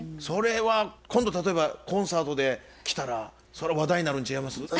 それは今度例えばコンサートで着たらそれは話題になるん違います？